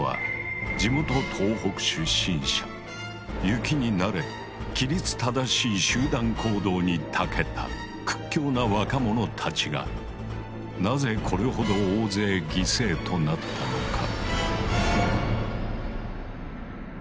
雪に慣れ規律正しい集団行動にたけた屈強な若者たちがなぜこれほど大勢犠牲となったのか？